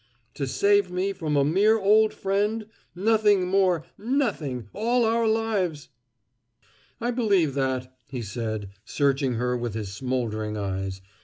"To save me from a mere old friend nothing more nothing all our lives!" "I believe that," he said, searching her with his smoldering eyes.